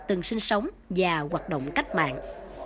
từng sinh sống và hoạt động cách mạng